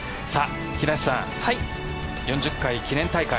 平瀬さん、４０回記念大会